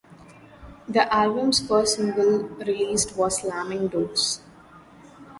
The album's first single released was "Slammin' Doors".